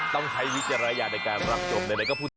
ต้องให้วิจารณาในการรับจบใดก็พูดถึง